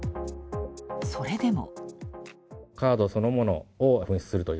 それでも。